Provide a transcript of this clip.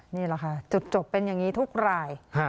นี่แหละค่ะจุดจบเป็นอย่างนี้ทุกราย